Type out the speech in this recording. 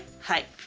はい。